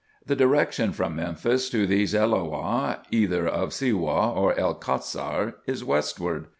The direction from Memphis to these Elloah, either of Siwah or El Cassar, is westward.